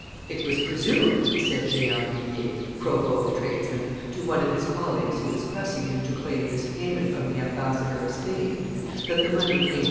"It was presumed," said Jehan l'Huillier, provost of tradesmen, to one of his colleagues who was pressing him to claim this payment from the ambassador of Spain, "that the money came from M.